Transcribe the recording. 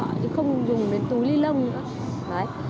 chứ không dùng đến túi ni lông nữa